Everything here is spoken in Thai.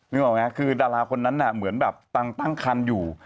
ออกไหมคือดาราคนนั้นน่ะเหมือนแบบตั้งคันอยู่